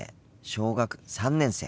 小学３年生。